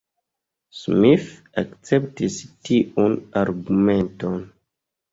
Smith akceptis tiun argumenton.